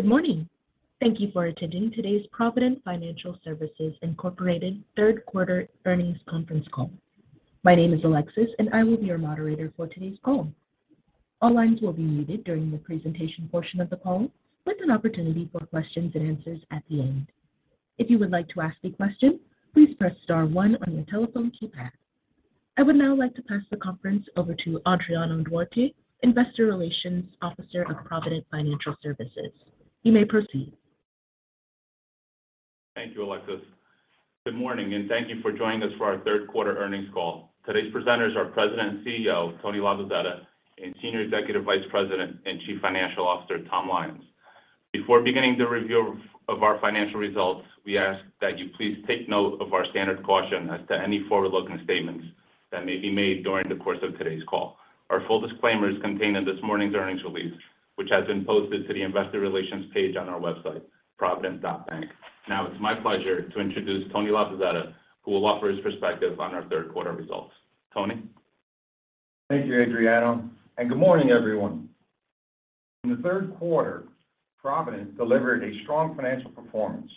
Good morning. Thank you for attending today's Provident Financial Services, Inc Q3 earnings conference call. My name is Alexis, and I will be your moderator for today's call. All lines will be muted during the presentation portion of the call with an opportunity for questions and answers at the end. If you would like to ask a question, please press star one on your telephone keypad. I would now like to pass the conference over to Adriano M. Duarte, Investor Relations Officer of Provident Financial Services. You may proceed. Thank you, Alexis. Good morning, and thank you for joining us for our Q3 earnings call. Today's presenters are President and CEO, Tony Labozzetta, and Senior Executive Vice President and Chief Financial Officer, Tom Lyons. Before beginning the review of our financial results, we ask that you please take note of our standard caution as to any forward-looking statements that may be made during the course of today's call. Our full disclaimer is contained in this morning's earnings release, which has been posted to the investor relations page on our website, provident.bank. Now it's my pleasure to introduce Tony Labozzetta, who will offer his perspective on our Q3 results. Tony? Thank you, Adriano, and good morning, everyone. In the Q3, Provident delivered a strong financial performance,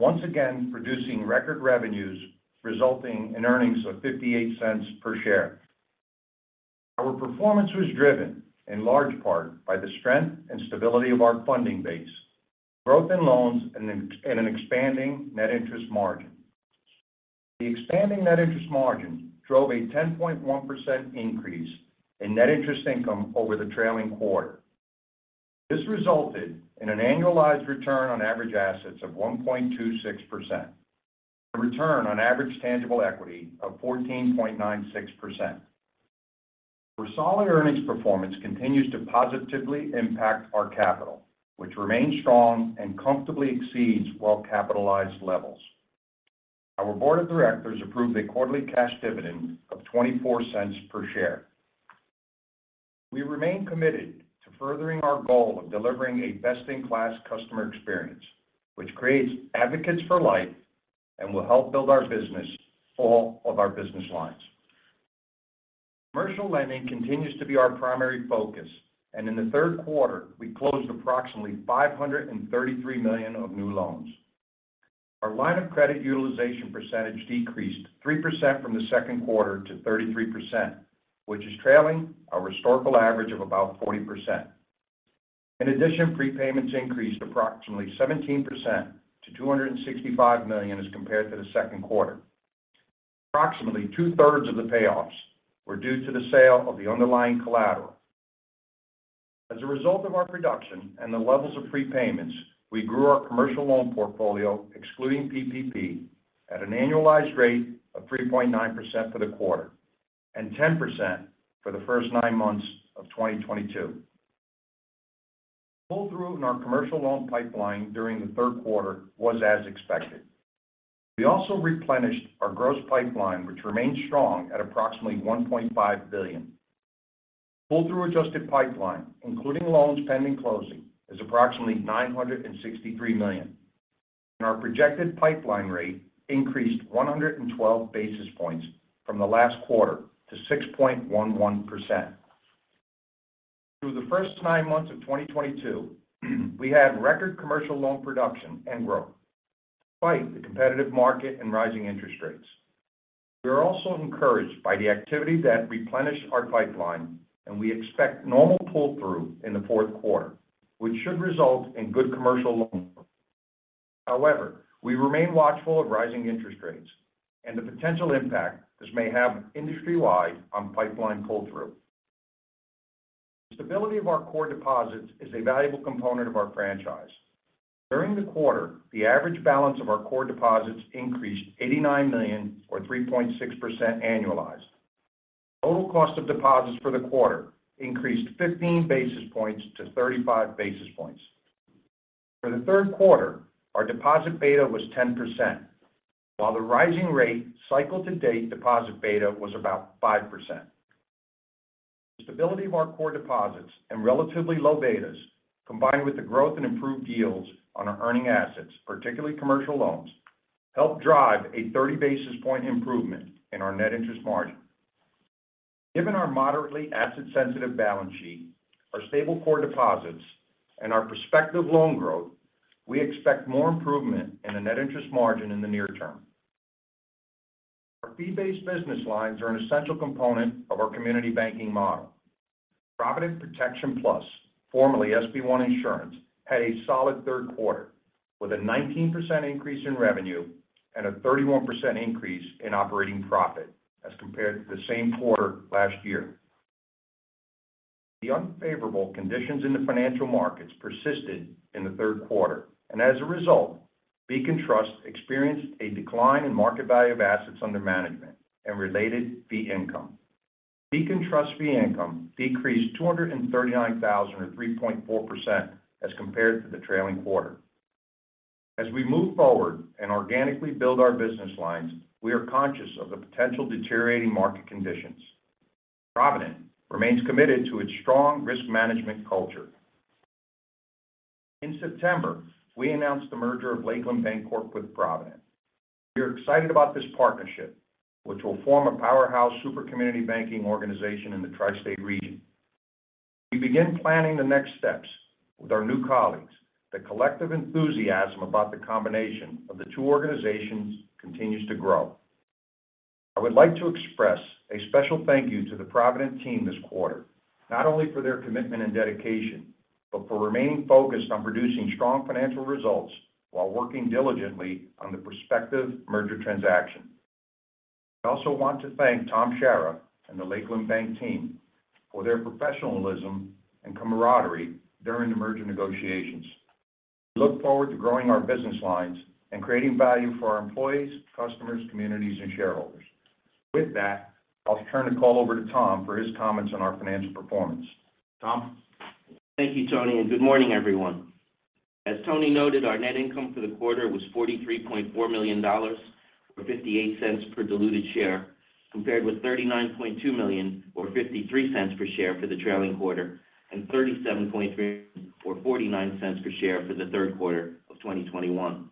once again producing record revenues, resulting in earnings of $0.58 per share. Our performance was driven in large part by the strength and stability of our funding base, growth in loans and an expanding net interest margin. The expanding net interest margin drove a 10.1% increase in net interest income over the trailing quarter. This resulted in an annualized return on average assets of 1.26%. A return on average tangible equity of 14.96%. Our solid earnings performance continues to positively impact our capital, which remains strong and comfortably exceeds well-capitalized levels. Our board of directors approved a quarterly cash dividend of $0.24 per share. We remain committed to furthering our goal of delivering a best-in-class customer experience, which creates advocates for life and will help build our business for all of our business lines. Commercial lending continues to be our primary focus, and in the Q3, we closed approximately $533 million of new loans. Our line of credit utilization percentage decreased 3% from the Q2 to 33%, which is trailing our historical average of about 40%. In addition, prepayments increased approximately 17% to $265 million as compared to the Q2. Approximately 2/3 of the payoffs were due to the sale of the underlying collateral. As a result of our production and the levels of prepayments, we grew our commercial loan portfolio, excluding PPP, at an annualized rate of 3.9% for the quarter and 10% for the first nine months of 2022. Pull-through in our commercial loan pipeline during the Q3 was as expected. We also replenished our gross pipeline, which remains strong at approximately $1.5 billion. Pull-through adjusted pipeline, including loans pending closing, is approximately $963 million. Our projected pipeline rate increased 112 basis points from the last quarter to 6.11%. Through the first nine months of 2022, we had record commercial loan production and growth despite the competitive market and rising interest rates. We are also encouraged by the activity that replenished our pipeline, and we expect normal pull-through in the Q4, which should result in good commercial loan. However, we remain watchful of rising interest rates and the potential impact this may have industry-wide on pipeline pull-through. The stability of our core deposits is a valuable component of our franchise. During the quarter, the average balance of our core deposits increased $89 million or 3.6% annualized. Total cost of deposits for the quarter increased 15 basis points to 35 basis points. For the Q3, our deposit beta was 10%, while the rising rate cycle-to-date deposit beta was about 5%. The stability of our core deposits and relatively low betas, combined with the growth and improved yields on our earning assets, particularly commercial loans, helped drive a 30 basis point improvement in our net interest margin. Given our moderately asset-sensitive balance sheet, our stable core deposits, and our prospective loan growth, we expect more improvement in the net interest margin in the near term. Our fee-based business lines are an essential component of our community banking model. Provident Protection Plus, formerly SB One Insurance, had a solid Q3 with a 19% increase in revenue and a 31% increase in operating profit as compared to the same quarter last year. The unfavorable conditions in the financial markets persisted in the Q3, and as a result, Beacon Trust experienced a decline in market value of assets under management and related fee income. Beacon Trust fee income decreased $239,000 or 3.4% as compared to the trailing quarter. As we move forward and organically build our business lines, we are conscious of the potential deteriorating market conditions. Provident remains committed to its strong risk management culture. In September, we announced the merger of Lakeland Bancorp with Provident. We're excited about this partnership, which will form a powerhouse super community banking organization in the tri-state region. We begin planning the next steps with our new colleagues. The collective enthusiasm about the combination of the two organizations continues to grow. I would like to express a special thank you to the Provident team this quarter, not only for their commitment and dedication, but for remaining focused on producing strong financial results while working diligently on the prospective merger transaction. I also want to thank Tom Shara and the Lakeland Bank team for their professionalism and camaraderie during the merger negotiations. We look forward to growing our business lines and creating value for our employees, customers, communities, and shareholders. With that, I'll turn the call over to Tom for his comments on our financial performance. Tom? Thank you, Tony, and good morning, everyone. As Tony noted, our net income for the quarter was $43.4 million, or $0.58 per diluted share, compared with $39.2 million or $0.53 per share for the trailing quarter and $37.3 million or $0.49 per share for the Q3 of 2021.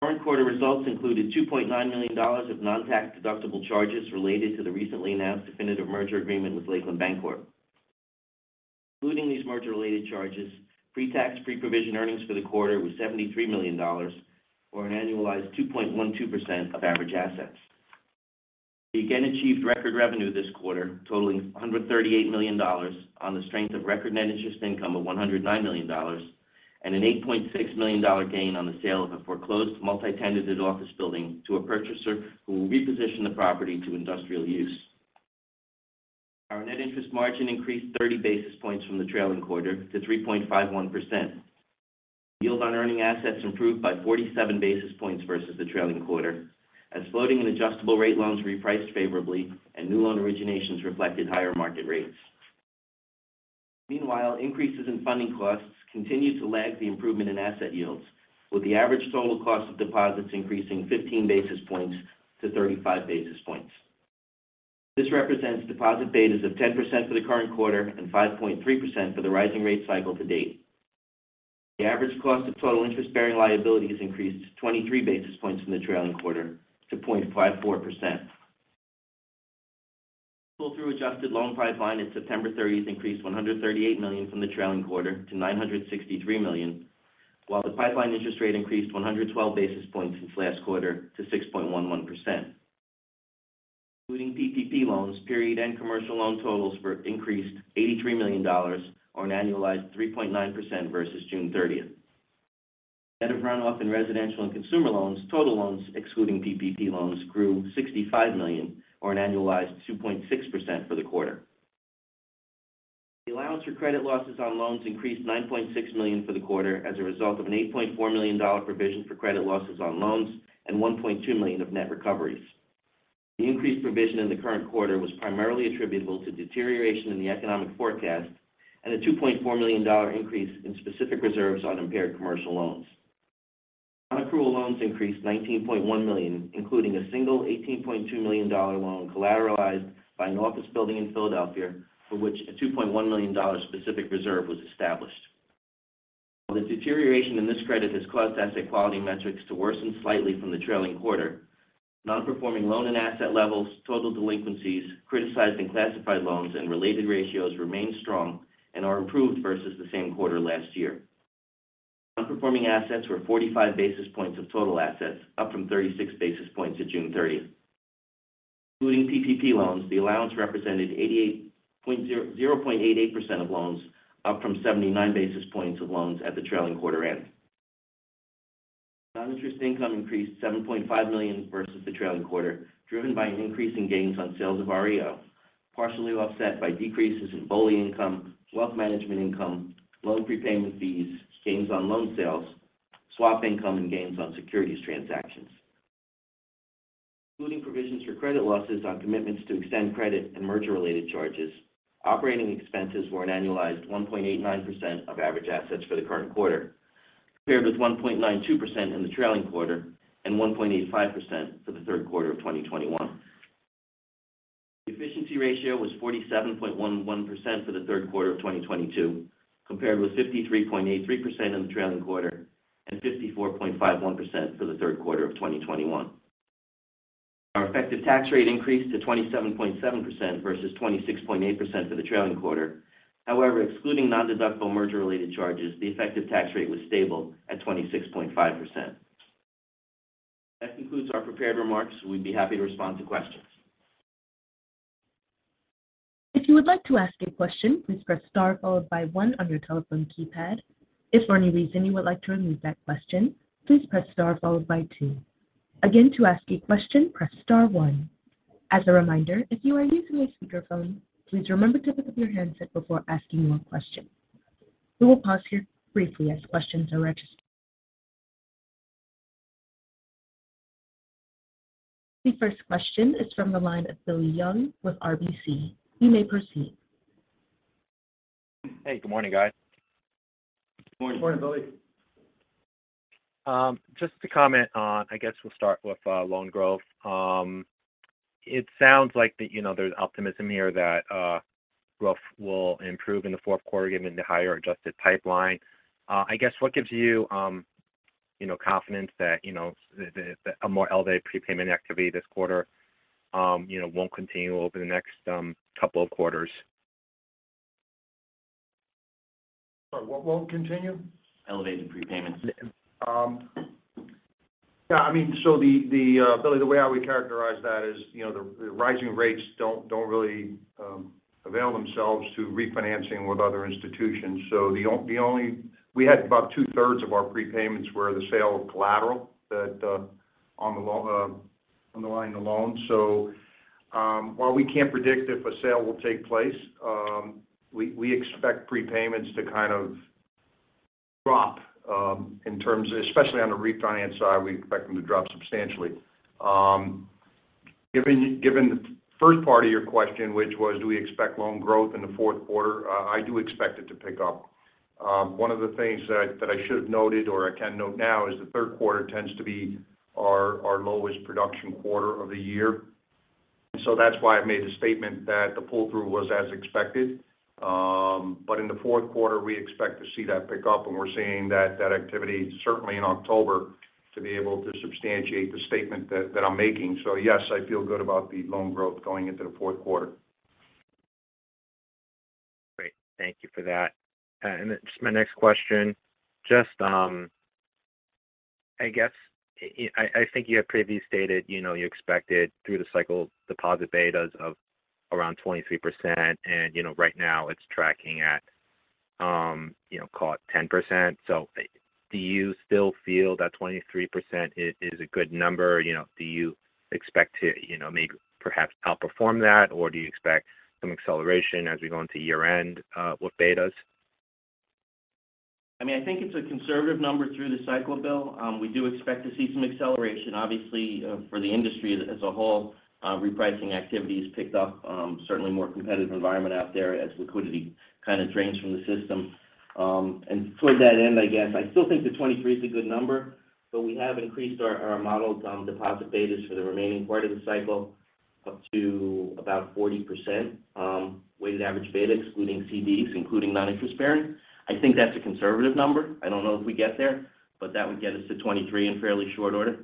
Current quarter results included $2.9 million of non-tax deductible charges related to the recently announced definitive merger agreement with Lakeland Bancorp. Including these merger-related charges, pre-tax, pre-provision earnings for the quarter was $73 million or an annualized 2.12% of average assets. We again achieved record revenue this quarter, totaling $138 million on the strength of record net interest income of $109 million and an $8.6 million gain on the sale of a foreclosed multi-tenanted office building to a purchaser who will reposition the property to industrial use. Our net interest margin increased 30 basis points from the trailing quarter to 3.51%. Yield on earning assets improved by 47 basis points versus the trailing quarter as floating and adjustable rate loans repriced favorably and new loan originations reflected higher market rates. Meanwhile, increases in funding costs continued to lag the improvement in asset yields, with the average total cost of deposits increasing 15 basis points to 35 basis points. This represents deposit betas of 10% for the current quarter and 5.3% for the rising rate cycle to date. The average cost of total interest-bearing liabilities increased 23 basis points from the trailing quarter to 0.54%. Pull-through adjusted loan pipeline at September 30 increased $138 million from the trailing quarter to $963 million, while the pipeline interest rate increased 112 basis points since last quarter to 6.11%. Including PPP loans, period-end commercial loan totals were increased $83 million or an annualized 3.9% versus June 30th. Net of runoff in residential and consumer loans, total loans excluding PPP loans grew $65 million or an annualized 2.6% for the quarter. The allowance for credit losses on loans increased $9.6 million for the quarter as a result of an $8.4 million provision for credit losses on loans and $1.2 million of net recoveries. The increased provision in the current quarter was primarily attributable to deterioration in the economic forecast and a $2.4 million increase in specific reserves on impaired commercial loans. Non-accrual loans increased $19.1 million, including a single $18.2 million loan collateralized by an office building in Philadelphia, for which a $2.1 million specific reserve was established. While the deterioration in this credit has caused asset quality metrics to worsen slightly from the trailing quarter, non-performing loan and asset levels, total delinquencies, criticized and classified loans and related ratios remain strong and are improved versus the same quarter last year. Non-performing assets were 45 basis points of total assets, up from 36 basis points at June 30. Including PPP loans, the allowance represented 0.88% of loans, up from 79 basis points of loans at the trailing quarter end. Non-interest income increased $7.5 million versus the trailing quarter, driven by an increase in gains on sales of REO, partially offset by decreases in BOLI income, wealth management income, loan prepayment fees, gains on loan sales, swap income, and gains on securities transactions. Including provisions for credit losses on commitments to extend credit and merger-related charges, operating expenses were an annualized 1.89% of average assets for the current quarter, compared with 1.92% in the trailing quarter and 1.85% for the Q3 of 2021. The efficiency ratio was 47.11% for the Q3 of 2022, compared with 53.83% in the trailing quarter and 54.51% for the Q3 of 2021. Our effective tax rate increased to 27.7% versus 26.8% for the trailing quarter. However, excluding nondeductible merger-related charges, the effective tax rate was stable at 26.5%. That concludes our prepared remarks. We'd be happy to respond to questions. If you would like to ask a question, please press star followed by one on your telephone keypad. If for any reason you would like to remove that question, please press star followed by two. Again, to ask a question, press star one. As a reminder, if you are using a speakerphone, please remember to pick up your handset before asking your question. We will pause here briefly as questions are registered. The first question is from the line of Billy Young with RBC. You may proceed. Hey, good morning, guys. Good morning. Good morning, Billy. Just to comment on, I guess we'll start with loan growth. It sounds like that, you know, there's optimism here that growth will improve in the Q4 given the higher adjusted pipeline. I guess what gives you know, confidence that, you know, a more elevated prepayment activity this quarter, you know, won't continue over the next couple of quarters? Sorry, what won't continue? Elevated prepayments. Yeah, I mean, Billy, the way how we characterize that is, you know, the rising rates don't really avail themselves to refinancing with other institutions. The only. We had about 2/3 of our prepayments were the sale of collateral that on the line of the loan. While we can't predict if a sale will take place, we expect prepayments to kind of drop in terms of. Especially on the refinance side, we expect them to drop substantially. Given the first part of your question, which was do we expect loan growth in the Q4? I do expect it to pick up. One of the things that I should have noted or I can note now is the Q3 tends to be our lowest production quarter of the year. That's why I made the statement that the pull-through was as expected. In the Q4, we expect to see that pick up, and we're seeing that activity certainly in October to be able to substantiate the statement that I'm making. Yes, I feel good about the loan growth going into the Q4. Great. Thank you for that. Just my next question. I guess I think you have previously stated, you know, you expected through the cycle deposit betas of around 23% and, you know, right now it's tracking at, you know, call it 10%. Do you still feel that 23% is a good number? You know, do you expect to, you know, maybe perhaps outperform that? Do you expect some acceleration as we go into year-end with betas? I mean, I think it's a conservative number through the cycle, Bill. We do expect to see some acceleration. Obviously, for the industry as a whole, repricing activity has picked up, certainly a more competitive environment out there as liquidity kind of drains from the system. Toward that end, I guess I still think the 23% is a good number, but we have increased our modeled deposit betas for the remaining part of the cycle up to about 40%, weighted average beta, excluding CDs, including non-interest bearing. I think that's a conservative number. I don't know if we get there, but that would get us to 23% in fairly short order.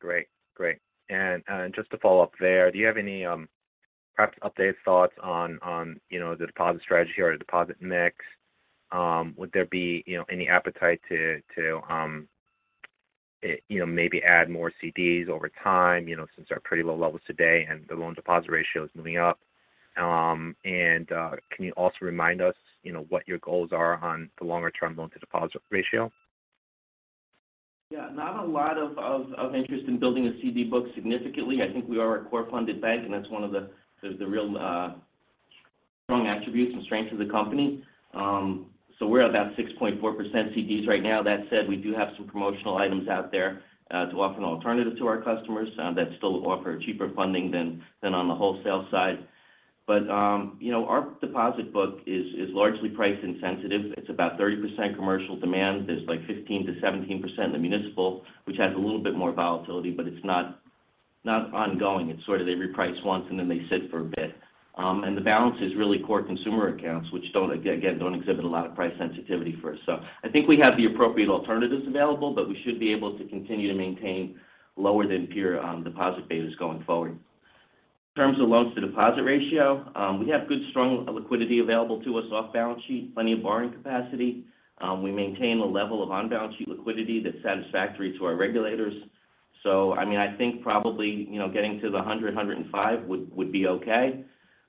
Great. Just to follow up there, do you have any perhaps updated thoughts on you know the deposit strategy or the deposit mix? Would there be you know any appetite to you know maybe add more CDs over time you know since they're pretty low levels today and the loan deposit ratio is moving up? Can you also remind us you know what your goals are on the longer-term loan to deposit ratio? Yeah. Not a lot of interest in building a CD book significantly. I think we are a core-funded bank, and that's one of the real strong attributes and strengths of the company. So we're about 6.4% CDs right now. That said, we do have some promotional items out there to offer an alternative to our customers that still offer cheaper funding than on the wholesale side. You know, our deposit book is largely price insensitive. It's about 30% commercial demand. There's like 15%-17% in the municipal, which has a little bit more volatility, but it's not ongoing. It's sort of they reprice once and then they sit for a bit. The balance is really core consumer accounts, which don't, again, don't exhibit a lot of price sensitivity for us. So I think we have the appropriate alternatives available, but we should be able to continue to maintain lower than peer deposit betas going forward. In terms of loans to deposit ratio, we have good, strong liquidity available to us off balance sheet, plenty of borrowing capacity. We maintain a level of on-balance sheet liquidity that's satisfactory to our regulators. So I mean, I think probably, you know, getting to the 100, 105 would be okay.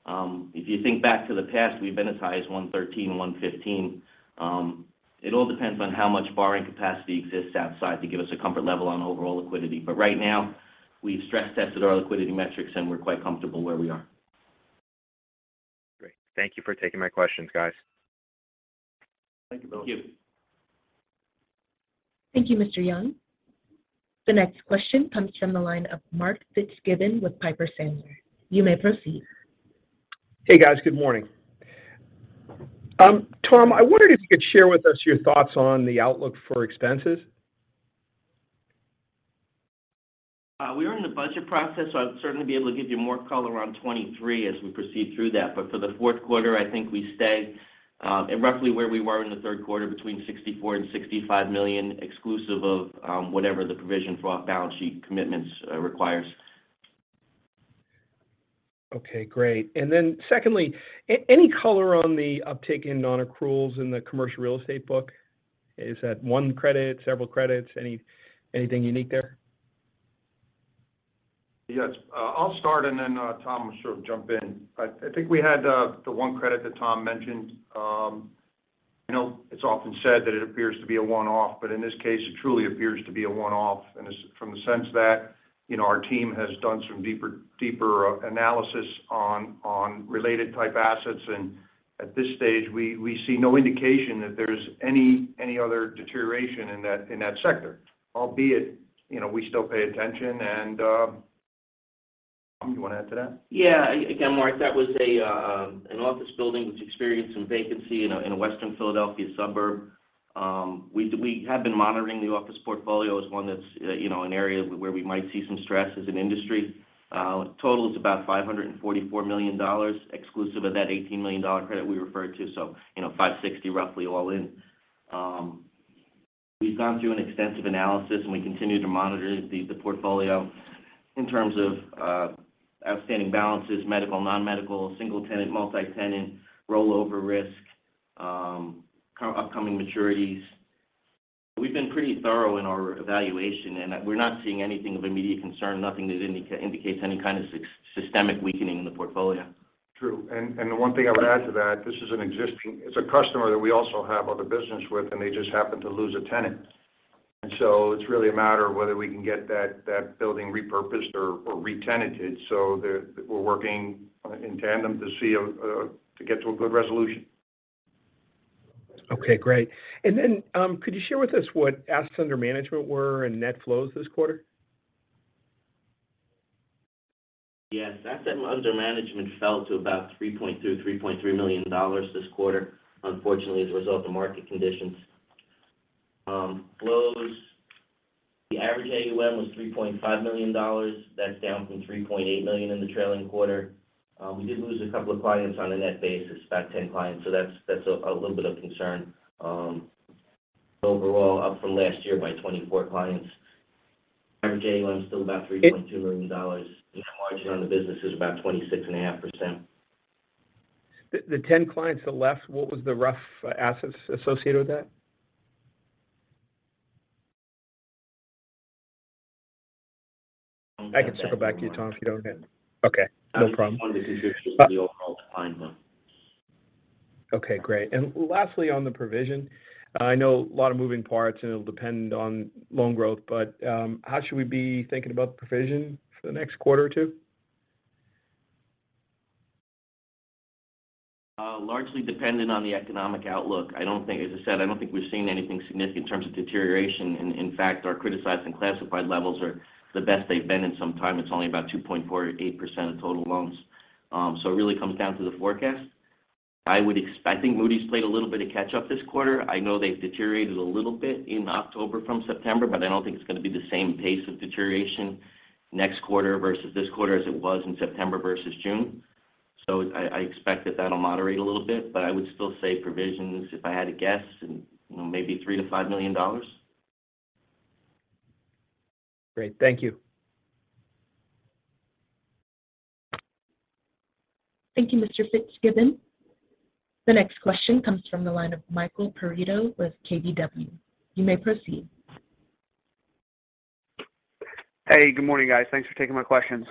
If you think back to the past, we've been as high as 113, 115. It all depends on how much borrowing capacity exists outside to give us a comfort level on overall liquidity. Right now, we've stress tested our liquidity metrics and we're quite comfortable where we are. Great. Thank you for taking my questions, guys. Thank you, Billy. Thank you. Thank you, Mr. Young. The next question comes from the line of Mark Fitzgibbon with Piper Sandler. You may proceed. Hey, guys. Good morning. Tom, I wondered if you could share with us your thoughts on the outlook for expenses. We are in the budget process, so I'd certainly be able to give you more color on 2023 as we proceed through that. For the Q4, I think we stay roughly where we were in the Q3 between $64 million and $65 million, exclusive of whatever the provision for off-balance sheet commitments requires. Okay, great. Secondly, any color on the uptick in non-accruals in the commercial real estate book? Is that one credit, several credits? Anything unique there? Yes. I'll start and then Tom will sort of jump in. I think we had the one credit that Tom mentioned. You know, it's often said that it appears to be a one-off, but in this case it truly appears to be a one-off. It's from the sense that, you know, our team has done some deeper analysis on related type assets, and at this stage we see no indication that there's any other deterioration in that sector. Albeit, you know, we still pay attention. You want to add to that? Yeah. Again, Mark, that was an office building that's experienced some vacancy in a western Philadelphia suburb. We have been monitoring the office portfolio as one that's, you know, an area where we might see some stress as an industry. Total is about $544 million exclusive of that $18 million credit we referred to. You know, $560 million roughly all in. We've gone through an extensive analysis, and we continue to monitor the portfolio in terms of outstanding balances, medical, non-medical, single tenant, multi-tenant, rollover risk, upcoming maturities. We've been pretty thorough in our evaluation, and we're not seeing anything of immediate concern. Nothing that indicates any kind of systemic weakening in the portfolio. True. The one thing I would add to that, this is an existing customer that we also have other business with, and they just happen to lose a tenant. It's really a matter of whether we can get that building repurposed or re-tenanted. We're working in tandem to get to a good resolution. Okay. Great. Could you share with us what assets under management were and net flows this quarter? Yes. Assets under management fell to about $3.2 million-$3.3 million this quarter, unfortunately, as a result of market conditions. The average AUM was $3.5 million. That's down from $3.8 million in the trailing quarter. We did lose a couple of clients on a net basis, about 10 clients, so that's a little bit of concern. Overall up from last year by 24 clients. AUM is still about $3.2 million. Net margin on the business is about 26.5%. The 10 clients that left, what was the rough assets associated with that? I can circle back to you, Tom, if you don't know. Okay. No problem. Funding conditions were the overall client one. Okay. Great. Lastly, on the provision, I know a lot of moving parts, and it'll depend on loan growth, but how should we be thinking about the provision for the next quarter or two? Largely dependent on the economic outlook. I don't think. As I said, I don't think we've seen anything significant in terms of deterioration. In fact, our criticized and classified levels are the best they've been in some time. It's only about 2.48% of total loans. So it really comes down to the forecast. I think Moody's played a little bit of catch up this quarter. I know they've deteriorated a little bit in October from September, but I don't think it's going to be the same pace of deterioration next quarter versus this quarter as it was in September versus June. I expect that that'll moderate a little bit, but I would still say provisions, if I had to guess, you know, maybe $3 million-$5 million. Great. Thank you. Thank you, Mr. Fitzgibbon. The next question comes from the line of Michael Perito with KBW. You may proceed. Hey. Good morning, guys. Thanks for taking my questions.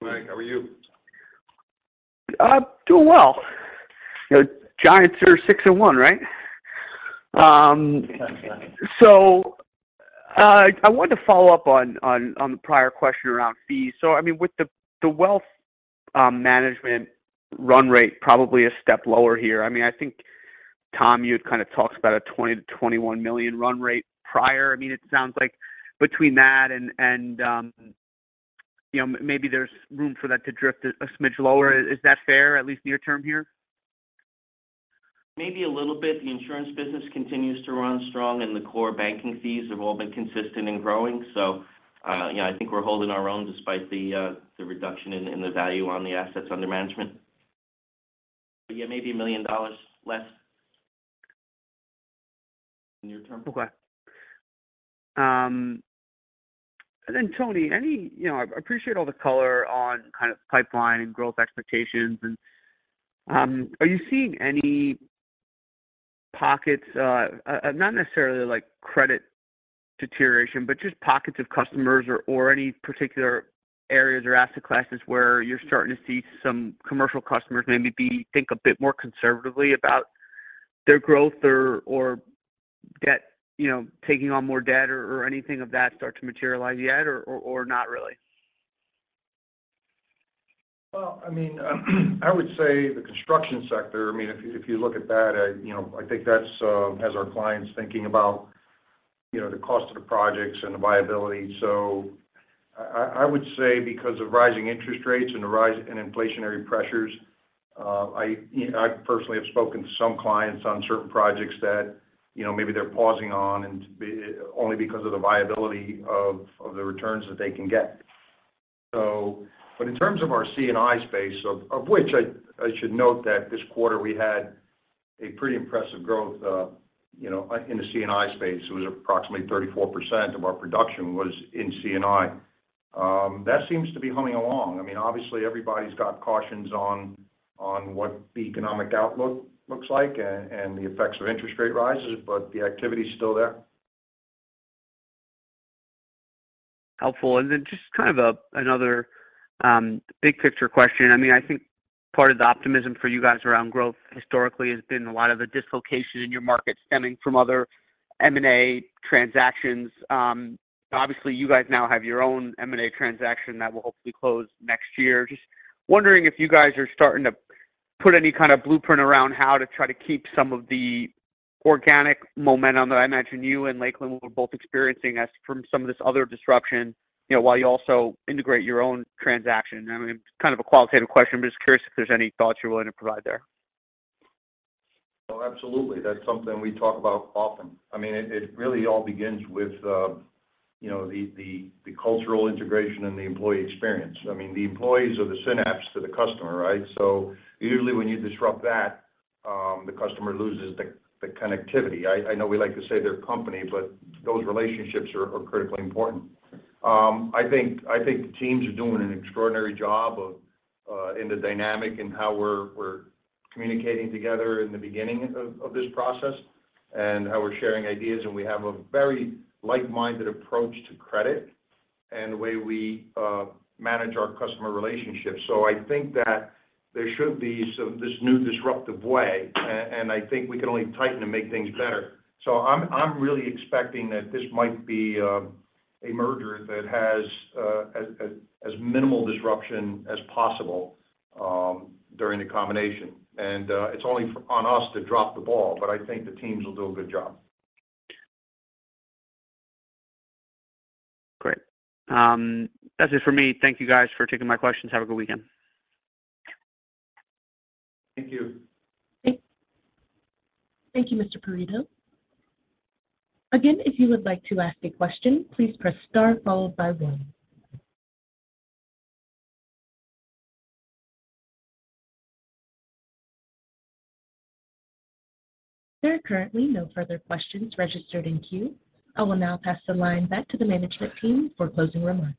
Mike, how are you? I'm doing well. You know, Giants are 6-1, right? I wanted to follow up on the prior question around fees. I mean, with the wealth management run rate probably a step lower here. I mean, I think, Tom, you had kind of talked about a $20 million-$21 million run rate prior. I mean, it sounds like between that and you know, maybe there's room for that to drift a smidge lower. Is that fair, at least near term here? Maybe a little bit. The insurance business continues to run strong and the core banking fees have all been consistent in growing. You know, I think we're holding our own despite the reduction in the value on the assets under management. Yeah, maybe $1 million less near term. Okay. Tony, you know, I appreciate all the color on kind of pipeline and growth expectations and are you seeing any pockets, not necessarily like credit deterioration, but just pockets of customers or any particular areas or asset classes where you're starting to see some commercial customers maybe think a bit more conservatively about their growth or debt, you know, taking on more debt or anything of that sort start to materialize yet, or not really? I mean, I would say the construction sector, I mean, if you look at that, you know, I think that has our clients thinking about, you know, the cost of the projects and the viability. I would say because of rising interest rates and the rise in inflationary pressures, you know, I personally have spoken to some clients on certain projects that, you know, maybe they're pausing on only because of the viability of the returns that they can get. But in terms of our C&I space, of which I should note that this quarter we had a pretty impressive growth, you know, in the C&I space. It was approximately 34% of our production was in C&I. That seems to be humming along. I mean, obviously, everybody's got cautions on what the economic outlook looks like and the effects of interest rate rises, but the activity is still there. Helpful. Just kind of another big picture question. I mean, I think part of the optimism for you guys around growth historically has been a lot of the dislocation in your market stemming from other M&A transactions. Obviously you guys now have your own M&A transaction that will hopefully close next year. Just wondering if you guys are starting to put any kind of blueprint around how to try to keep some of the organic momentum that I imagine you and Lakeland were both experiencing arising from some of this other disruption, you know, while you also integrate your own transaction. I mean, it's kind of a qualitative question, but just curious if there's any thoughts you're willing to provide there. Oh, absolutely. That's something we talk about often. I mean, it really all begins with the cultural integration and the employee experience. I mean, the employees are the synapse to the customer, right? Usually when you disrupt that, the customer loses the connectivity. I know we like to say they run the company, but those relationships are critically important. I think the teams are doing an extraordinary job in the dynamic and how we're communicating together in the beginning of this process and how we're sharing ideas. We have a very like-minded approach to credit and the way we manage our customer relationships. I think that there should be some of this new disruptive way. I think we can only tighten and make things better. I'm really expecting that this might be a merger that has as minimal disruption as possible during the combination. It's only on us to drop the ball, but I think the teams will do a good job. Great. That's it for me. Thank you guys for taking my questions. Have a good weekend. Thank you. Thank you, Mr. Perito. Again, if you would like to ask a question, please press star followed by one. There are currently no further questions registered in queue. I will now pass the line back to the management team for closing remarks.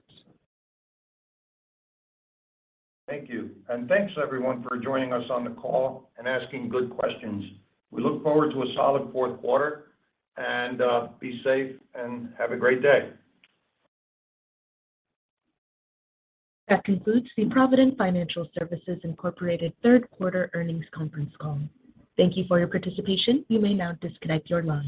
Thank you. Thanks everyone for joining us on the call and asking good questions. We look forward to a solid Q4 and be safe and have a great day. That concludes the Provident Financial Services, Inc Q3 earnings conference call. Thank you for your participation. You may now disconnect your lines.